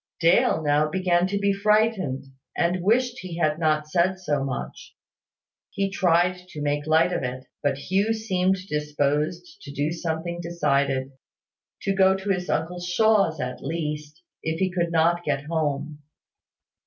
Dale now began to be frightened, and wished he had not said so much. He tried to make light of it; but Hugh seemed disposed to do something decided; to go to his uncle Shaw's at least, if he could not get home.